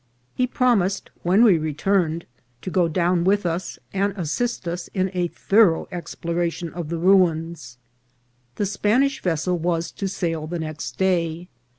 He promised, when we re turned, to go down with us and assist in a thorough exploration of the ruins. The Spanish vessel was to sail the next day.